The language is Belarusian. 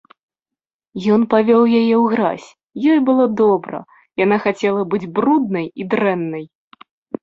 Ён павёў яе ў гразь, ёй было добра, яна хацела быць бруднай і дрэннай.